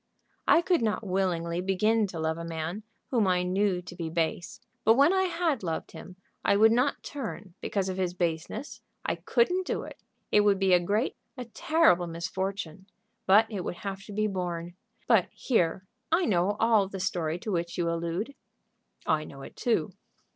I could not willingly begin to love a man whom I knew to be base; but when I had loved him I would not turn because of his baseness; I couldn't do it. It would be a great a terrible misfortune; but it would have to be borne. But here I know all the story to which you allude." "I know it too."